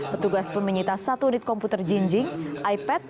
petugas pun menyita satu unit komputer jinjing ipad